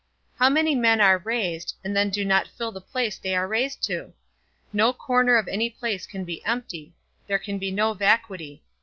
How many men are raised, and then do not fill the place they are raised to? No corner of any place can be empty; there can be no vacuity.